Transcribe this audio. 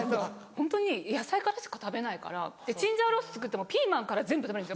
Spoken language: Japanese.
ホントに野菜からしか食べないからチンジャオロース作ってもピーマンから全部食べるんですよ。